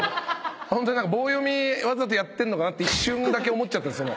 棒読みわざとやってんのかなと一瞬だけ思っちゃったんですよ。